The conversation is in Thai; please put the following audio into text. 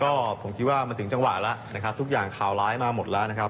ก็ผมคิดว่ามันถึงจังหวะแล้วทุกอย่างาส่งมาหมดแล้ว